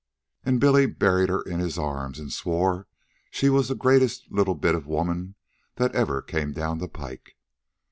And Billy buried her in his arms and swore she was the greatest little bit of woman that ever came down the pike.